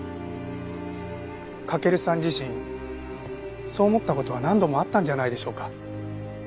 駆さん自身そう思った事は何度もあったんじゃないでしょうか。